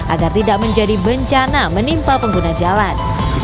agar tidak menjadi bencana menimpa pengguna jalan